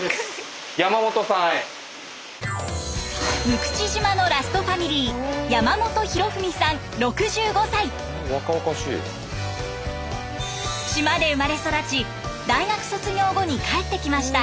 六口島のラストファミリー島で生まれ育ち大学卒業後に帰ってきました。